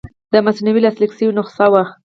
د مثنوي لاسلیک شوې نسخه وه.